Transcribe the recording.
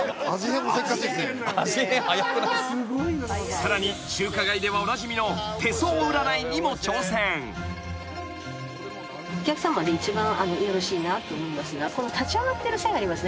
［さらに中華街ではおなじみの手相占いにも挑戦］お客さまで一番よろしいなと思いますのはこの立ち上がってる線ありますね